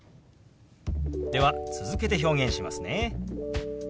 では続けて表現しますね。